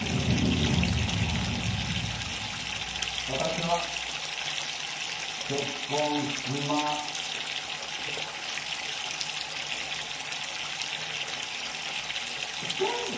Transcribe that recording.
私は結婚しませんっ！